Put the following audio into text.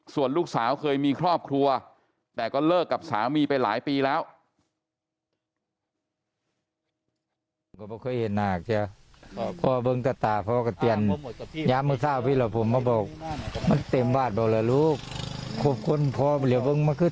ส่วนลูกสาวเคยมีครอบครัวแต่ก็เลิกกับสามีไปหลายปีแล้ว